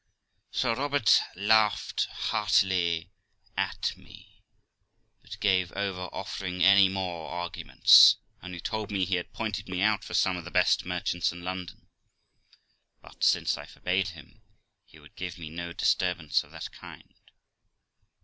Sir Robert laughed heartily at me, but gave over offering any more arguments, only told me he had pointed me out for some of the best merchants in London, but, since I forbade him, he would give me no disturbance of that kind.